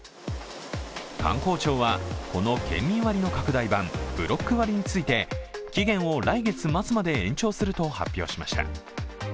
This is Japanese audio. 観光庁はこの県民割の拡大版ブロック割について、期限を来月末まで延長すると発表しました。